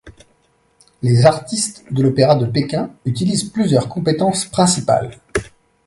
Les artistes de l'opéra de Pékin utilisent plusieurs compétences principales.